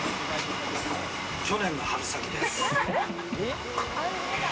去年の春先です。